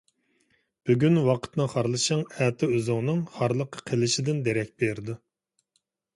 بۈگۈن ۋاقىتنى خارلىشىڭ ئەتە ئۆزۈڭنىڭ خارلىققا قېلىشىدىن دېرەك بېرىدۇ.